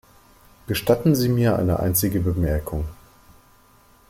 Gestatten Sie mir eine einzige Bemerkung.